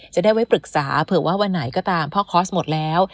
จะได้ไว้ปรึกษาเผื่อว่าวันไหนก็ตามพ่อคอร์สหมดแล้ว